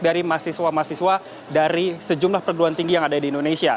dari mahasiswa mahasiswa dari sejumlah perguruan tinggi yang ada di indonesia